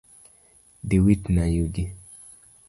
Dhi witna yugi